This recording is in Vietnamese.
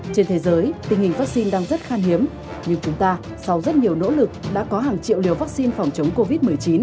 trên thế giới tình hình vaccine đang rất khan hiếm nhưng chúng ta sau rất nhiều nỗ lực đã có hàng triệu liều vaccine phòng chống covid một mươi chín